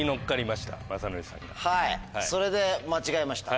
はいそれで間違えました。